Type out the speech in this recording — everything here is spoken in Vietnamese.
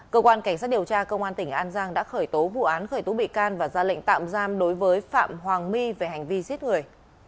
cơ quan cảnh sát điều tra công an tỉnh an giang đã khởi tố vụ án khởi tố bị can và ra lệnh tạm giam đối với phạm hoàng my về hành vi giết người